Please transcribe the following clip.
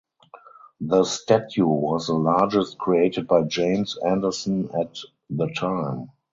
The statue was the largest created by James Anderson at the time.